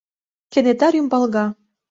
Кенета рӱмбалга.